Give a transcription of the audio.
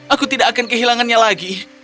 aku tidak akan kehilangannya lagi